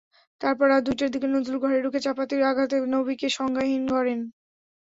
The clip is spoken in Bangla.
তারপর রাত দুইটার দিকে নজরুল ঘরে ঢুকে চাপাতির আঘাতে নবীকে সংজ্ঞাহীন করেন।